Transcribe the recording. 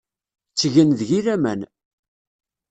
Ttgen deg-i laman.